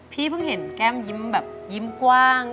พี่เพิ่งเห็นแก้มยิ้มแบบยิ้มกว้าง